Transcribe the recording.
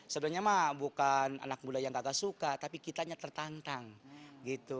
sebenarnya mah bukan anak muda yang kagak suka tapi kitanya tertantang gitu